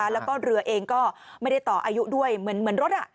แล้วก็เรือเองก็ไม่ได้ต่ออายุด้วยเหมือนรถ